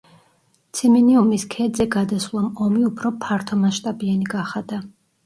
ციმინიუმის ქედზე გადასვლამ ომი უფრო ფართომასშტაბიანი გახადა.